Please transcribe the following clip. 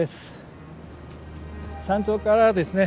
山頂からですね